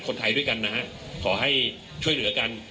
คนไทยด้วยกันนะฮะขอให้ช่วยเหลือกัน